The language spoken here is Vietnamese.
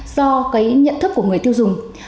do cái nhận thức của người tiêu dùng